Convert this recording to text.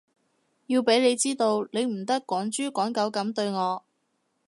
要畀你知道，你唔得趕豬趕狗噉對我